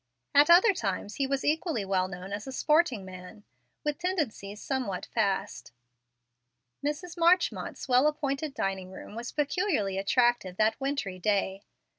At other times he was equally well known as a sporting man, with tendencies somewhat fast. Mrs. Marchmont's well appointed dining room was peculiarly attractive that wintry day.